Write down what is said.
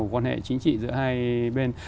của quan hệ chính trị giữa hai bên